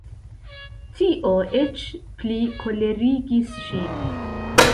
Tio eĉ pli kolerigis ŝin.